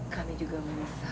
kami juga merasa